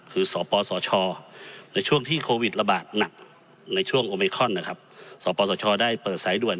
คือสปสชในช่วงที่โควิดระบาดหนักในช่วงโอเมคอนนะครับสปสชได้เปิดสายด่วน